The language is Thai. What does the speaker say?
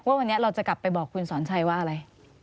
ว่าวันนี้เราจะกลับไปบอกคุณสอนชัยว่าอะไร